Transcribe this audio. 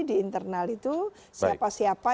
di internal itu siapa siapa